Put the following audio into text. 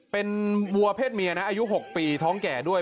เป็นวัวเพศเมียนะอายุ๖ปีท้องแก่ด้วย